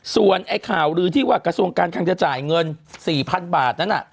ส่วนไอ้ข่าวลือที่ว่ากระทรวงการคังจะจ่ายเงิน๔๐๐๐บาทนั้น